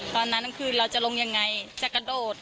ตอนนั้นคือเราจะลงยังไงจะกระโดด